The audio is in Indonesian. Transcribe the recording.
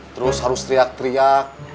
terus harus teriak teriak